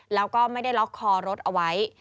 แล้วก็ไม่ได้ล็อกคอรถเอาไว้